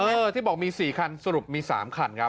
ที่บอกมี๔คันสรุปมี๓คันครับ